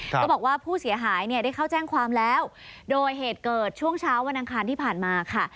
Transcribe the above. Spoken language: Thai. ก็บอกว่าผู้เสียหายเนี่ยได้เข้าแจ้งความแล้วโดยเหตุเกิดช่วงเช้าวันอังคารที่ผ่านมาค่ะ